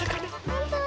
ほんとだ！